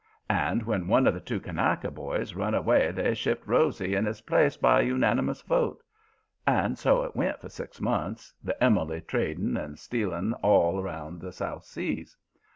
And when one of the two Kanaka boys run away they shipped Rosy in his place by unanimous vote. And so it went for six months, the Emily trading and stealing all around the South Seas.